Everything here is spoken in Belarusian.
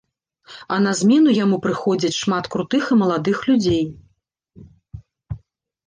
А на змену яму прыходзяць шмат крутых і маладых людзей.